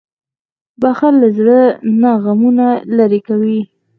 • بښل له زړه نه غمونه لېرې کوي.